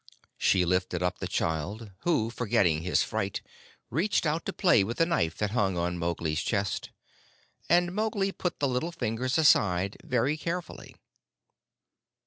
She lifted up the child, who, forgetting his fright, reached out to play with the knife that hung on Mowgli's chest, and Mowgli put the little fingers aside very carefully.